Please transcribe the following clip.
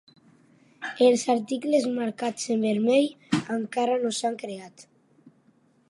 Els articles marcats en vermell encara no s'han creat.